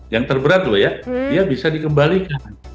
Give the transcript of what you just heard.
yang terberat dia bisa dikembalikan